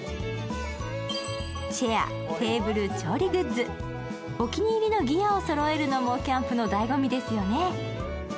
チェア、テーブル、調理グッズ、お気に入りのギアーをそろえるのもキャンプの楽しみですよね。